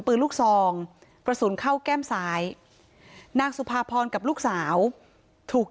ปืนลูกซองกระสุนเข้าแก้มซ้ายนางสุภาพรกับลูกสาวถูก